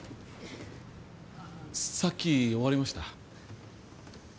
さっき終わりました。